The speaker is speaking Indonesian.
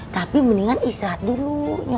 tapi mendingan istirahat dulu